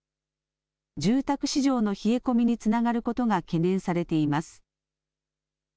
住宅市場の冷え込みにつながることが懸念されています。